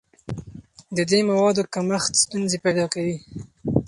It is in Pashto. د دې موادو کمښت ستونزې پیدا کوي.